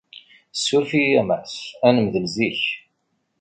Ssuref-iyi a Mass. Ad nemdel zik.